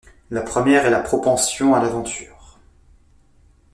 La première est la propension à l'aventure.